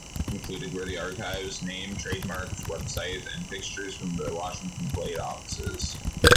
Included were the archives, name, trademarks, website, and fixtures from the Washington Blade offices.